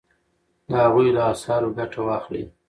د هغوی له اثارو ګټه واخلئ.